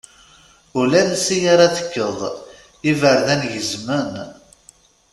Ulansi ara tekkeḍ, iberdan gezmen.